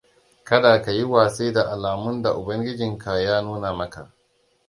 Kada ka yi watsi da alamun da ubangijinka ya nuna maka.